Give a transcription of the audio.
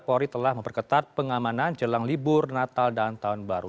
polri telah memperketat pengamanan jelang libur natal dan tahun baru